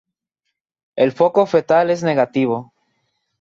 El foco fetal es negativo.